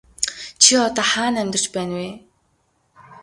Чи одоо хаана амьдарч байна вэ?